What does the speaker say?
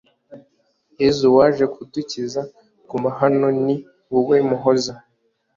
yezu waje kudukiza, guma hano ni wowe muhoza